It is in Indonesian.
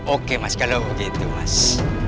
oke mas kalau begitu mas